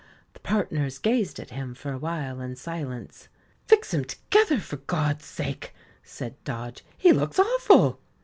The partners gazed at him for a while in silence. "Fix him together, for God's sake," said Dodge. "He looks awful."